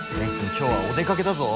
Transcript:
今日はお出かけだぞ。